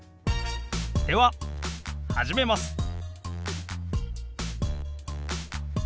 では始めます！